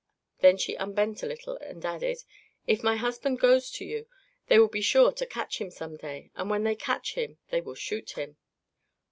Then she unbent a little and added: "If my husband goes to you, they will be sure to catch him some day, and when they catch him they will shoot him."